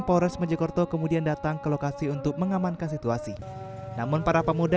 polres mojokerto kemudian datang ke lokasi untuk mengamankan situasi namun para pemuda